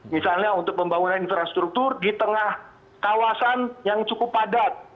misalnya untuk pembangunan infrastruktur di tengah kawasan yang cukup padat